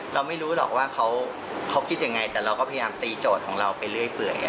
เราไม่รู้หรอกว่าเขาคิดยังไงแต่เราก็พยายามตีโจทย์ของเราไปเรื่อย